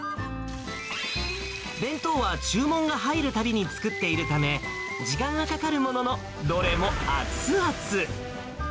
弁当は注文が入るたびに作っているため、時間がかかるものの、どれも熱々。